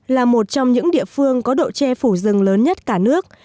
là một trong những địa phương có độ che phủ rừng lớn nhất cả nước